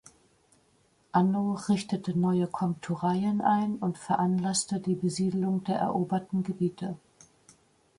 Anno richtete neue Komtureien ein und veranlasste die Besiedelung der eroberten Gebiete.